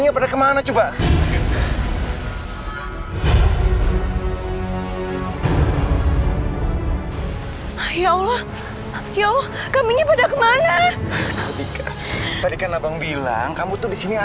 kepada kemana coba ya allah ya allah kami pada kemana tadi karena bang bilang kamu tuh disini